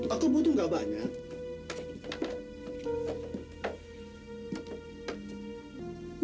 aku butuh gak banyak